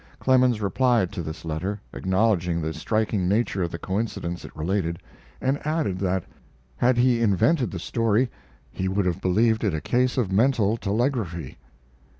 Clemens replied to this letter, acknowledging the striking nature of the coincidence it related, and added that, had he invented the story, he would have believed it a case of mental telegraphy.